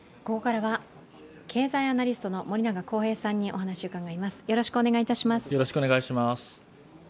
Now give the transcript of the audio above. ここからは経済アナリストの森永康平さんにお話を伺います。